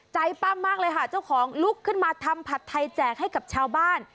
ปั้มมากเลยค่ะเจ้าของลุกขึ้นมาทำผัดไทยแจกให้กับชาวบ้าน